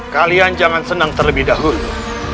kalian jangan senang terlebih dahulu